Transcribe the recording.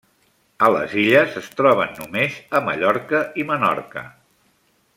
A les Illes es troben només a Mallorca i Menorca.